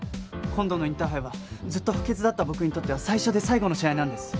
今度のインターハイはずっと補欠だった僕にとっては最初で最後の試合なんです。